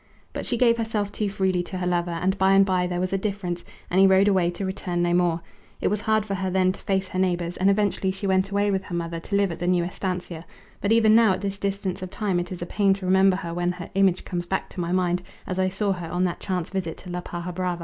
But she gave herself too freely to her lover, and by and by there was a difference, and he rode away to return no more. It was hard for her then to face her neighbours, and eventually she went away with her mother to live at the new estancia; but even now at this distance of time it is a pain to remember her when her image comes back to my mind as I saw her on that chance visit to La Paja Brava.